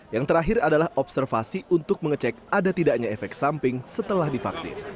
yang terakhir adalah observasi untuk mengecek ada tidaknya efek samping setelah divaksin